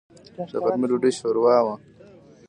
د غرمې ډوډۍ شوروا ده.